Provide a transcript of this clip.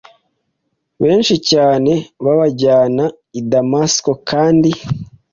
benshi cyane babajyana i Damasiko Kandi